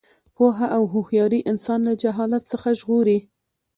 پوهه او هوښیاري انسان له جهالت څخه ژغوري.